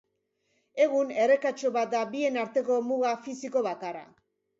Egun errekatxo bat da bien arteko muga fisiko bakarra.